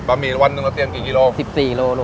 ปะหมี่วันนึงเราเตรียมกี่กิโลกรัม๑๔กิโลกรัม